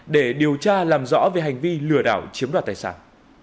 để điều tra làm rõ về hành vi lừa đảo chiếm đoạt tài sản